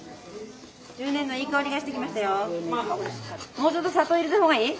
もうちょっと砂糖入れた方がいい？